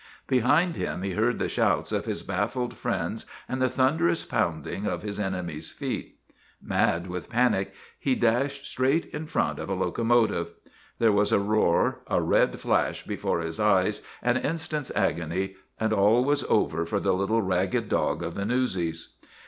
Be hind him he heard the shouts of his baffled friends 1 68 SPIDER OF THE NEWSIES and the thunderous pounding of his enemy's feet. Mad with panic he dashed straight in front of a lo comotive. There was a roar, a red flash before his eyes, an instant's agony, and all was over for the little ragged dog of the newsies.